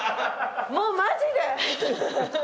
もうマジで！